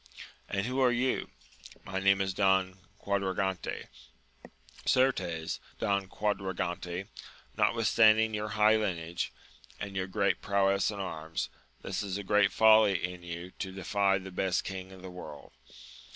— And who are you ?— ^My name is Don Quadragante. — ^Certes, Don Quadragante, notwithstanding your high lineage, and your great prowess in arms, this is great folly in you to defy the best king in the world